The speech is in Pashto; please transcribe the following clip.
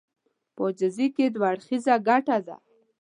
په عاجزي کې دوه اړخيزه ګټه ده.